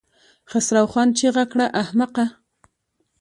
خسرو خان چيغه کړه! احمقه!